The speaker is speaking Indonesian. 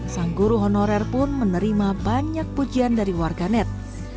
sang guru honorer pun menerima banyak pujian dari warganet